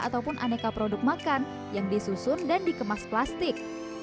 ataupun aneka produk makan yang disusun dan dikemas plastik